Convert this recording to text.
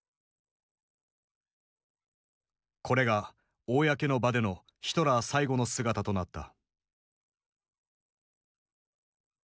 これが公の場でのヒトラー最後の姿となった。